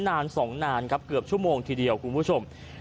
นาน๒นานครับเกือบชั่วโมงทีเดียวคุณผู้ชม